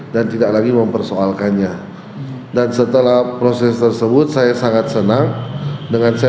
dan tidak lagi mempersoalkannya dan setelah proses tersebut saya sangat senang dengan saya